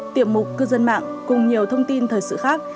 tiểu mục cư dân mạng cùng nhiều thông tin thời sự khác